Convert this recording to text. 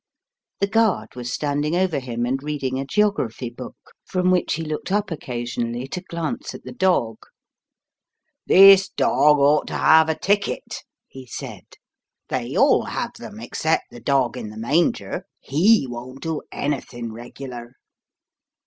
The guard was standing over him and reading a geography book, from which he looked up occasionally to glance at the dog. "This dog ought to have a ticket," he said; "they all have them except the dog in the manger ; he won't do anything regular."